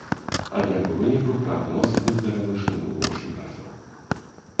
Аднак у выніку прагноз быў перавышаны ў восем разоў.